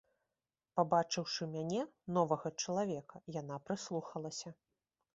Пабачыўшы мяне, новага чалавека, яна прыслухалася.